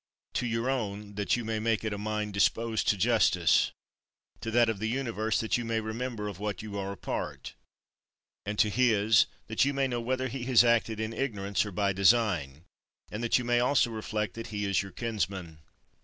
To your own, that you may make it a mind disposed to justice; to that of the Universe, that you may remember of what you are a part; and to his, that you may know whether he has acted in ignorance or by design, and that you may also reflect that he is your kinsman.